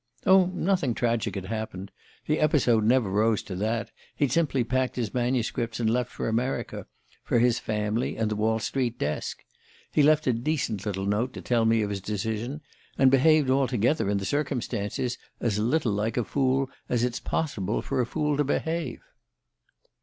Oh, nothing tragic had happened the episode never rose to that. He'd simply packed his manuscripts and left for America for his family and the Wall Street desk. He left a decent little note to tell me of his decision, and behaved altogether, in the circumstances, as little like a fool as it's possible for a fool to behave